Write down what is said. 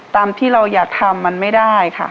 ตามที่เราอยากทำมันไม่ได้ค่ะ